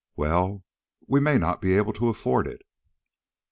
"Well, we may not be able to afford it."